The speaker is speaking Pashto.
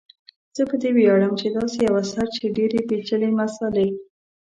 زه په دې ویاړم چي داسي یو اثر چي ډیري پیچلي مسالې